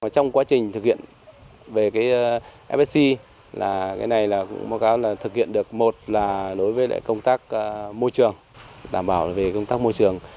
trong quá trình thực hiện về fsc thực hiện được một là đối với công tác môi trường đảm bảo về công tác môi trường